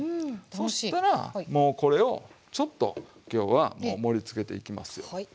そしたらもうこれをちょっと今日は盛りつけていきますよ。